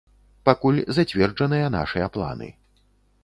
Пакуль зацверджаныя нашыя планы.